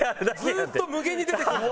ずっと無限に出てくる。